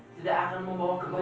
tidak akan membawa kebaikan